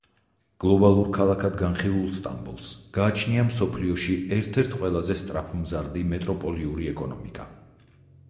გლობალურ ქალაქად განხილულ სტამბოლს, გააჩნია მსოფლიოში ერთ-ერთ ყველაზე სწრაფმზარდი მეტროპოლიური ეკონომიკა.